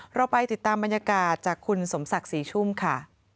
เราไปติดตามบรรยากาศจากคุณสมศักดิ์ศรีชุ่มค่ะ